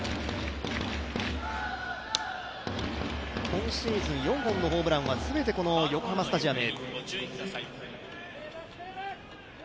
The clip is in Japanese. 今シーズン４本のホームランは全てこの横浜スタジアム。